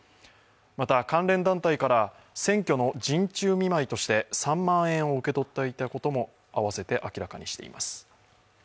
また関連団体から、選挙の陣中見舞いとして３万円を受け取っていたことも併せて明らかにしています。